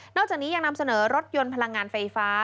จากนี้ยังนำเสนอรถยนต์พลังงานไฟฟ้า